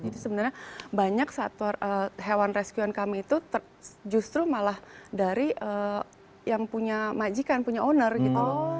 jadi sebenarnya banyak hewan rescuen kami itu justru malah dari yang punya majikan punya owner gitu loh